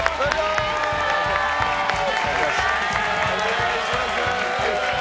お願いします！